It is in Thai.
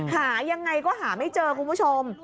หายังไงก็หาไม่เจอคุณผู้ชม